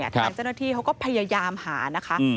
ทางเจ้าหน้าที่เขาก็พยายามหานะคะ